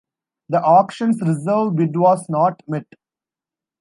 The auction's reserve bid was not met.